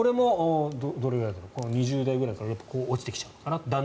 これも２０代ぐらいから落ちてきちゃうのかな。